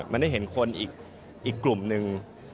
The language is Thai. มันได้เห็นคนอีกกลุ่มนึง